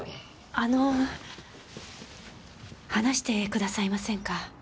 あの話してくださいませんか？